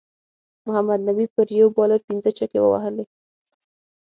محمد نبی پر یو بالر پنځه چکی ووهلی